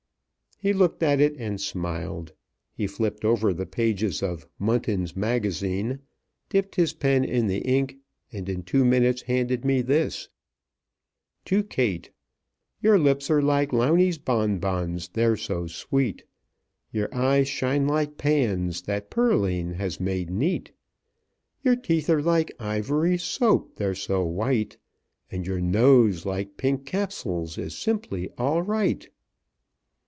He looked at it and smiled. He flipped over the pages of "Munton's Magazine," dipped his pen in the ink, and in two minutes handed me this: TO KATE "Your lips are like Lowney's Bonbons, they're so sweet; Your eyes shine like pans That Pearline has made neat. "Your teeth are like Ivory Soap, they're so white, And your nose, like Pink Capsules, Is simply all right!"